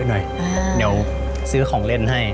เดี๋ยวซื้อของเล่นให้